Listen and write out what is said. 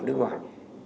ở nước ngoài